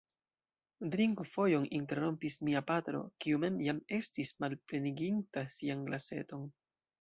Drinku fojon, interrompis mia patro, kiu mem jam estis malpleniginta sian glaseton.